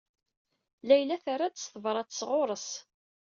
Layla terra-d s tebṛat sɣur-s.